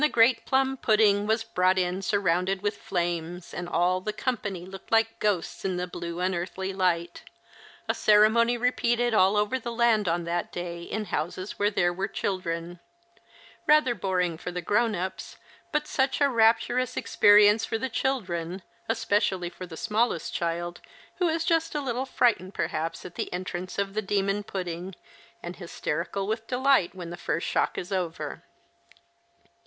great plum pudding was brought in surrounded with flames, and all the company looked like ghosts in the blue unearthly light, a ceremony repeated all over the land on that day in houses where there were children — rather boring for the grown ups, but such a rapturous experience for the children, especially for the smallest child, who is just a little frightened perhaps at the entrance of the demon pudding, and hysterical with delight when the first shock is over.